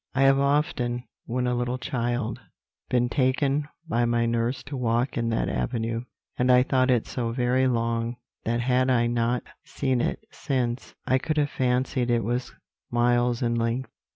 "I have often, when a little child, been taken by my nurse to walk in that avenue; and I thought it so very long, that had I not seen it since, I could have fancied it was miles in length."